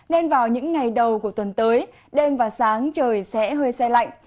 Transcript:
nên vào những ngày đầu của tuần tới đêm và sáng trời sẽ hơi xe lạnh